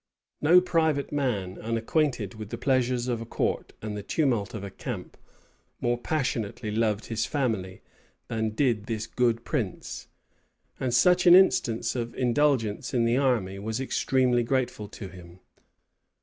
No private man, unacquainted with the pleasures of a court and the tumult of a camp, more passionately loved his family, than did this good prince; and such an instance of indulgence in the army was extremely grateful to him.